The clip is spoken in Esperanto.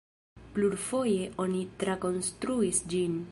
Plurfoje oni trakonstruis ĝin.